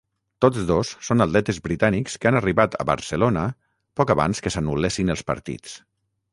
Tots dos són atletes britànics que han arribat a Barcelona poc abans que s'anul·lessin els partits.